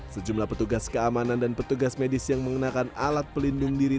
sejumlah petugas keamanan dan petugas medis yang mengenakan alat pelindung diri